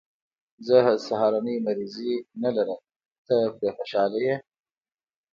زه سهارنۍ مریضي نه لرم، ته پرې خوشحاله یې.